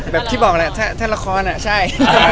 แบบที่บอกแล้วแถ่ละคอแบบนี้นะใช่